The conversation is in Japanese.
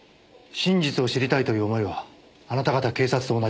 真実を知りたいという思いはあなた方警察と同じです。